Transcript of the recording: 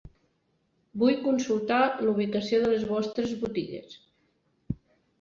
Vull consultar la ubicació de les vostres botigues.